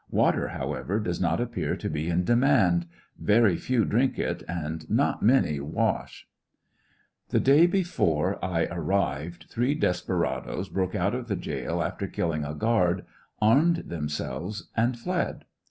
Water, how ever, does not appear to be in demand. Very few drink it, and not many wash. I feel peaceable "The day before I arrived, three despera does broke out of the jail after killing a guard, armed themselves, and fled.